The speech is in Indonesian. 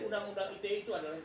undang undang ite itu adalah